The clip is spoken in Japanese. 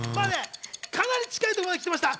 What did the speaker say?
かなり近いところまで来ました。